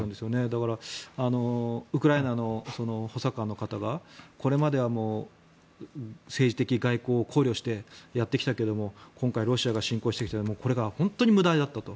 だからウクライナの補佐官の方がこれまでは政治的外交を考慮してやってきたけれども今回、ロシアが侵攻してきてこれが本当に無駄だったと。